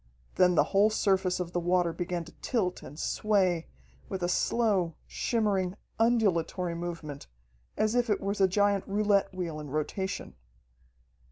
Then the whole surface of the water began to tilt and sway with a slow, shimmering, undulatory movement, as if it was a giant roulette wheel in rotation.